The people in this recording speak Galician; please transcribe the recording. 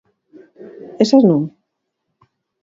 Esas non?